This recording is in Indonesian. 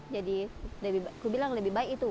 jadi lebih baik itu